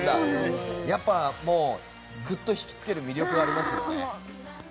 やっぱり、ぐっと引き付ける魅力がありますよね。